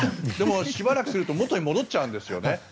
でも、しばらくすると元に戻っちゃうんですよね。